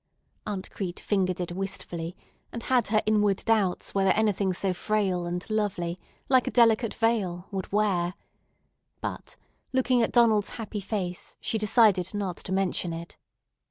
Aunt Crete fingered it wistfully, and had her inward doubts whether anything so frail and lovely, like a delicate veil, would wear; but, looking at Donald's happy face, she decided not to mention it.